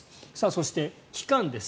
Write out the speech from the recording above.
そして、期間です。